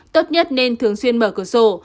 tốt nhất nên thường xuyên mở cửa sổ